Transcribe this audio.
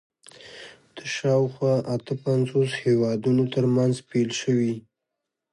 د شاوخوا اته پنځوس هېوادونو تر منځ پیل شوي